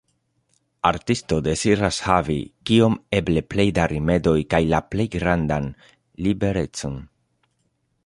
Artisto deziras havi kiom eble plej da rimedoj kaj la plej grandan liberecon.